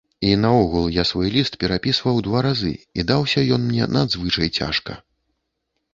І наогул, я свой ліст перапісваў два разы і даўся ён мне надзвычай цяжка.